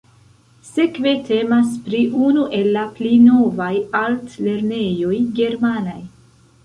Sekve temas pri unu el la pli novaj altlernejoj germanaj.